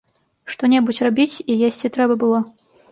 Што-небудзь рабіць і есці трэба было.